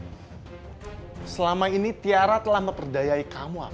afif selama ini tiara telah memperdayai kamu afif